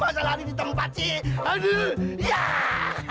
masa lari di tempat sih aduh